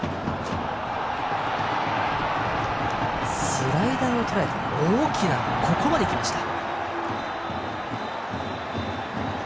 スライダーをとらえて大きな、ここまできました。